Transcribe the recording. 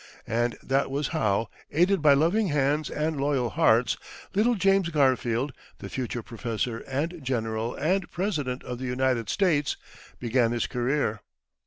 And that was how, aided by loving hands and loyal hearts, little James Garfield, the future professor, and general, and President of the United States, began his career.